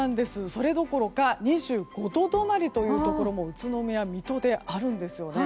それどころか２５度止まりというところも宇都宮、水戸であるんです。